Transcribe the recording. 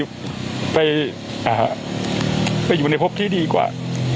ก็ให้น้องไปอยู่ในภพที่ดีกว่า